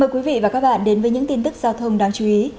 mời quý vị và các bạn đến với những tin tức giao thông đáng chú ý